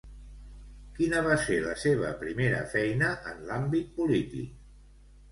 Quina va ser la seva primera feina en l'àmbit polític?